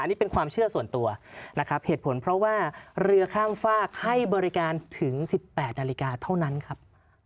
นี่เป็นความเชื่อส่วนตัวนะครับเหตุผลเพราะว่าเรือข้ามฝากให้บริการถึง๑๘นาฬิกาเท่านั้นครับ